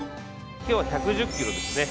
今日は１１０キロですね。